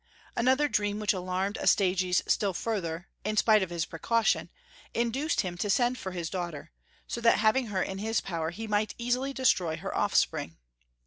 Another dream which alarmed Astyages still further, in spite of his precaution, induced him to send for his daughter, so that having her in his power he might easily destroy her offspring.